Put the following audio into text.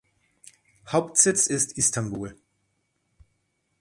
Hauptsitz ist Istanbul.